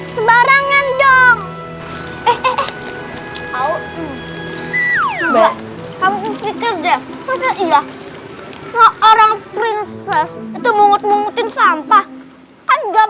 sembarangan dong eh eh kamu sih kejepit iya orang prinses itu mungut mungutin sampah ada